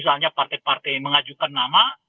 misalnya partai partai mengajukan nama